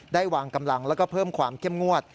ได้วางกำลังและเพิ่มความเข้มงวด